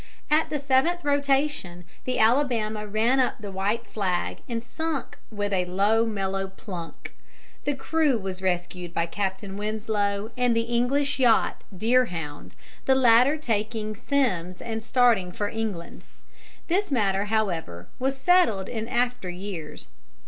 At the seventh rotation the Alabama ran up the white flag and sunk with a low mellow plunk. The crew was rescued by Captain Winslow and the English yacht Deerhound, the latter taking Semmes and starting for England. This matter, however, was settled in after years.